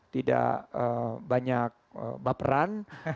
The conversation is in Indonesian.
tidak banyak baperan